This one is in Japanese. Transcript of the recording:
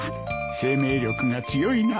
生命力が強いなあ。